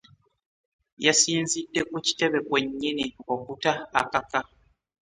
Yasinzidde ku kitebe kwennyini okuta akaka.